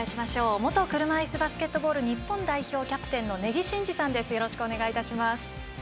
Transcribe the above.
元車いすバスケットボール日本代表の根木慎志さんです